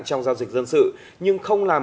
trong giao dịch dân sự nhưng không làm